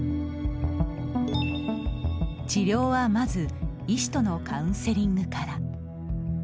治療はまず医師とのカウンセリングから。